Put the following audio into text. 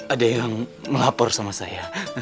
ada yang melapor sama saya